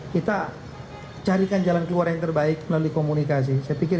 kita carikan jalan keluar yang terbaik melalui komunikasi